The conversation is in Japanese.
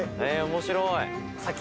面白い。